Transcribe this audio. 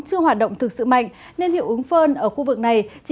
chưa hoạt động thực sự mạnh nên hiệu ứng phơn ở khu vực này